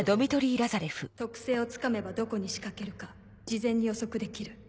特性をつかめばどこに仕掛けるか事前に予測できる。